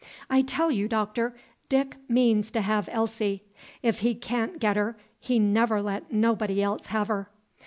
"I tell you, Doctor. Dick means to have Elsie. If he ca'n' get her, he never let nobody else have her!